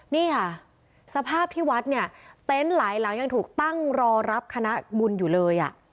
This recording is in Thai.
นี่ค่ะสภาพที่วัดเนี่ยเต็นต์หลายหลังยังถูกตั้งรอรับคณะบุญอยู่เลย